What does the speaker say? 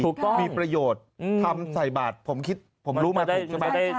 ถูกต้องมีประโยชน์ทำใส่บาทผมรู้มาถึงกันบ้างใช่